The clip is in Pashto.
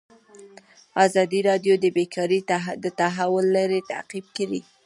ازادي راډیو د بیکاري د تحول لړۍ تعقیب کړې.